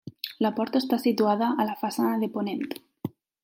La porta està situada a la façana de ponent.